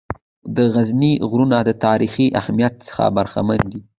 د غزني غرونه د تاریخي اهمیّت څخه برخمن دي.